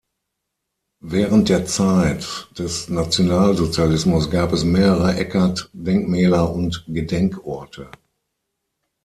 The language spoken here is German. Während der Zeit des Nationalsozialismus gab es mehrere Eckart-Denkmäler und Gedenkorte.